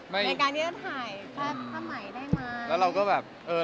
ไม่แต่น้องก็ก่อนโยธแล้วกับว่ากับก่อใช้ค่ะเลขามายได้มั้ย